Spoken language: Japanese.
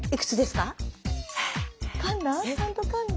かんだ？